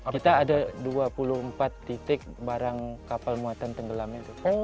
kita ada dua puluh empat titik barang kapal muatan tenggelam itu